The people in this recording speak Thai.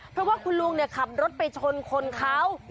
เพราะว่าคุณลุงขับรถไปชนคนเขา